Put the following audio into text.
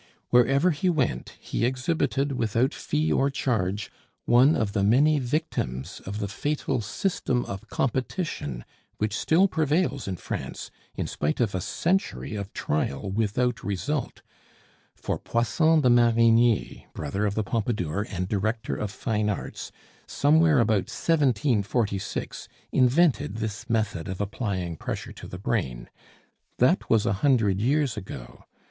Wherever he went, he exhibited, without fee or charge, one of the many victims of the fatal system of competition which still prevails in France in spite of a century of trial without result; for Poisson de Marigny, brother of the Pompadour and Director of Fine Arts, somewhere about 1746 invented this method of applying pressure to the brain. That was a hundred years ago.